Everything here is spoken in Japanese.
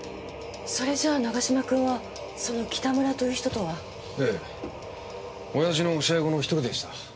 それじゃあ永嶋君はその北村という人とは。ええ親父の教え子の一人でした。